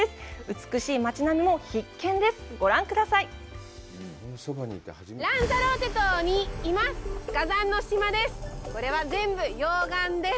美しい街並みも必見です。